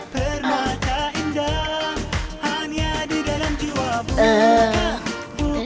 permata indah hanya di dalam jiwa buka